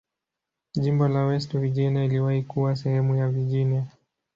Jimbo la West Virginia iliwahi kuwa sehemu ya Virginia.